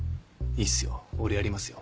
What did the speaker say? いいっすよ俺やりますよ。